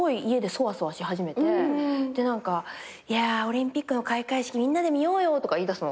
何か「いやぁオリンピックの開会式みんなで見ようよ」とか言いだすの。